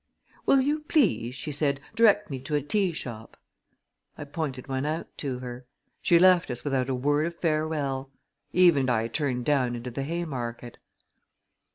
"Will you please," she said, "direct me to a tea shop?" I pointed one out to her. She left us without a word of farewell. Eve and I turned down into the Haymarket.